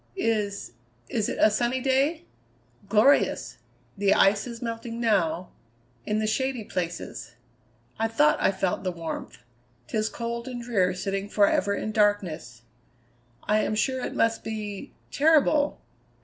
Is is it a sunny day?" "Glorious. The ice is melting now in the shady places." "I thought I felt the warmth. 'Tis cold and drear sitting forever in darkness." "I am sure it must be terrible."